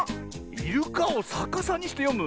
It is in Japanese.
イルカをさかさにしてよむ。